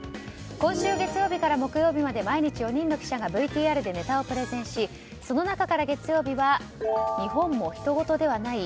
今週月曜日から木曜日まで毎日４人の記者がＶＴＲでネタをプレゼンしその中から月曜日は日本も人ごとではない？